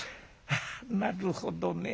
なるほどね